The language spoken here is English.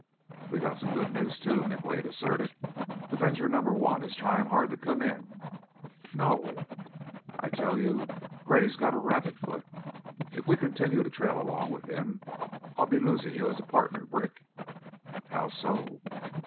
"We've got some good news, too," McWade asserted. "Avenger Number One is trying hard to come in." "No?" "I tell you Gray's got a rabbit foot. If we continue to trail along with him, I'll be losing you as a partner, Brick." "How so?"